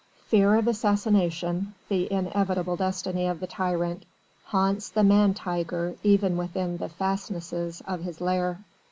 Fear of assassination the inevitable destiny of the tyrant haunts the man tiger even within the fastnesses of his lair.